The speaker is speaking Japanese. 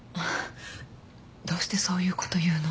どうしてそういうこと言うの？